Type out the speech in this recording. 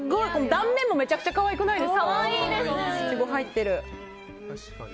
断面もめちゃくちゃ可愛くないですか。